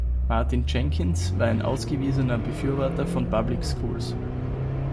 Martin-Jenkins war ein ausgewiesener Befürworter von Public Schools.